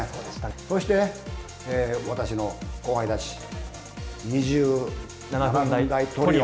そして私の後輩たち、２７分台トリオ。